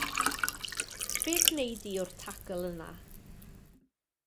Beth wnei di o'r tacl yna?